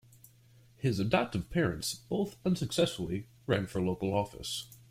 His adoptive parents both unsuccessfully ran for local office.